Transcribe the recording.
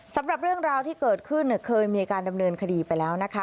สำหรับเรื่องราวที่เกิดขึ้นเคยมีการดำเนินคดีไปแล้วนะคะ